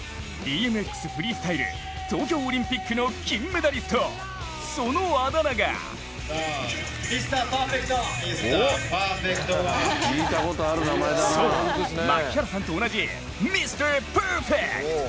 フリースタイル東京オリンピックの金メダリスト、そのあだ名がそう、槙原さんと同じミスター・パーフェクト。